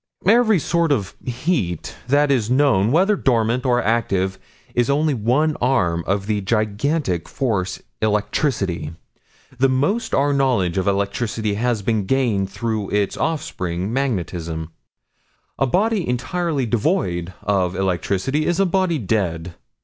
"Every sort of heat that is known, whether dormant or active, is only one arm of the gigantic force electricity. The most of our knowledge of electricity has been gained through its offspring, magnetism. A body entirely devoid of electricity, is a body dead.